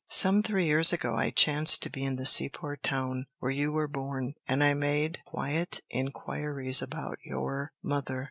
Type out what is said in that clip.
Some three years ago I chanced to be in the seaport town where you were born, and I made quiet inquiries about your mother.